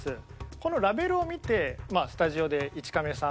このラベルを見てまあスタジオで１カメさん